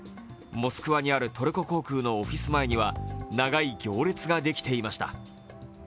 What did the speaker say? モスクワにあるトルコ航空のオフィス前には長い行列ができていました。